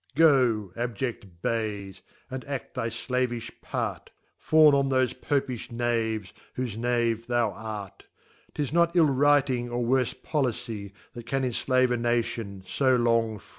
GOyAbjeSt Bayesf and aft thy ilavifli parr ; Fawn on thofe Fopifh Knaves > whofe Knave thou art : 'Tis not ill writing, or worfe Policy, That can enflave a Nation, fb long free.